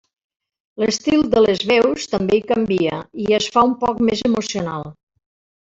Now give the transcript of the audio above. L'estil de les veus també hi canvia i es fa un poc més emocional.